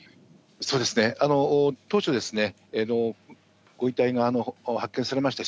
そうですね、当初、ご遺体が発見されました